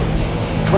lo itu siapa ya